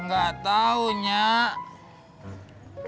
gak tau nyak